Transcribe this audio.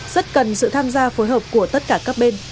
rất cần sự tham gia phối hợp của tất cả các bên